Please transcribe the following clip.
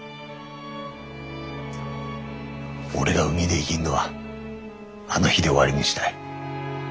俺が海で生ぎんのはあの日で終わりにしたい。